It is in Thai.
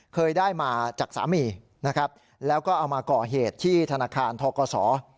เคยได้มาจากสามีนะครับแล้วก็เอามาก่อเหตุที่ธนาคารทกศ